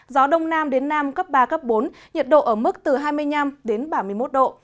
gió đông nam đến nam cấp ba cấp bốn nhiệt độ ở mức từ hai mươi năm đến ba mươi một độ